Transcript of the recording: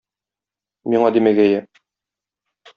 Миңа димәгәе.